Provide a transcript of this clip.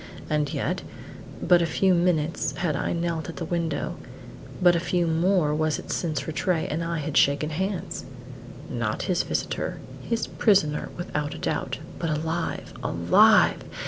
And yet but a few minutes had I knelt at the window but a few more was it since Rattray and I had shaken hands! Not his visitor; his prisoner, without a doubt; but alive! alive!